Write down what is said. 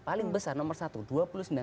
paling besar nomor satu